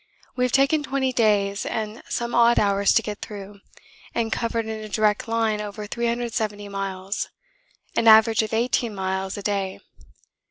We have taken twenty days and some odd hours to get through, and covered in a direct line over 370 miles an average of 18 miles a day.